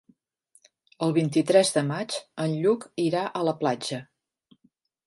El vint-i-tres de maig en Lluc irà a la platja.